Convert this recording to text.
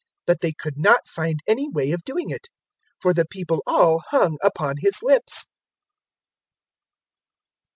019:048 But they could not find any way of doing it, for the people all hung upon His lips.